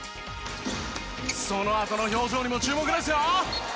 そのあとの表情にも注目ですよ。